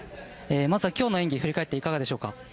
まずは今日の演技振り返っていかがでしょうか？